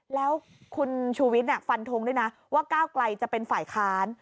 แล้วคุณชูวิทย์ฟันทงด้วยนะว่าก้าวไกลจะเป็นฝ่ายค้าน